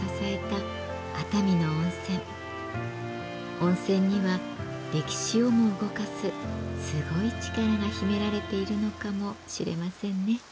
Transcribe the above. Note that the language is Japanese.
温泉には歴史をも動かすすごい力が秘められているのかもしれませんね。